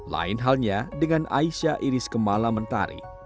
lain halnya dengan aisyah iris kemala mentari